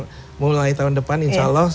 itu akan mulai tahun depan insya allah